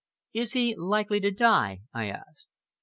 "Is he likely to die?" I asked.